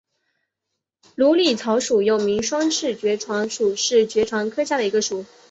芦莉草属又名双翅爵床属是爵床科下的一个属。